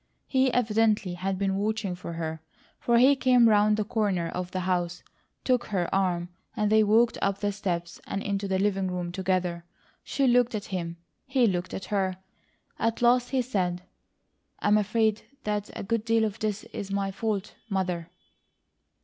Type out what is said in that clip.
He evidently had been watching for her, for he came around the corner of the house, took her arm, and they walked up the steps and into the living room together. She looked at him; he looked at her. At last he said: "I'm afraid that a good deal of this is my fault, Mother."